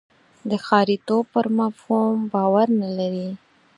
د ښاریتوب پر مفهوم باور نه لري.